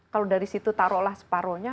kalau dari situ taruhlah separohnya